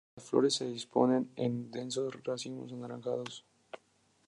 Las flores se disponen en densos racimos anaranjados.